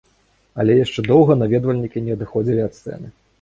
Але яшчэ доўга наведвальнікі не адыходзілі ад сцэны.